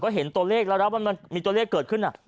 เห็นตัวเลขแล้วนะว่ามันมีตัวเลขเกิดขึ้น